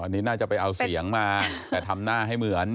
อันนี้น่าจะไปเอาเสียงมาแต่ทำหน้าให้เหมือน